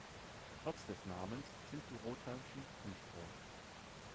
Trotz des Namens sind die Rothörnchen nicht rot.